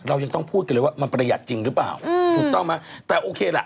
เรายังต้องพูดกันเลยว่ามันประหยัดจริงหรือเปล่าถูกต้องไหมแต่โอเคล่ะ